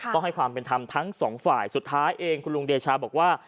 ต้องให้ความเป็นธรรมทั้งสองฝ่ายสุดท้ายเองคุณลุงเดชาบอกว่า